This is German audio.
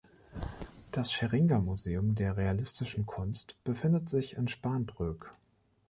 Das Scheringa-Museum der realistischen Kunst befindet sich in Spanbroek.